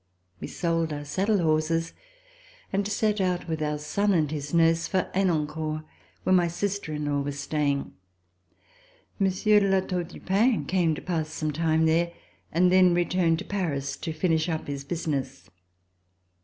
We sold our saddle horses and set out with our son and his nurse for Henencourt where my sister in law was staying. Monsieur de La Tour du Pin came to pass some time there and then returned to Paris to finish up his business.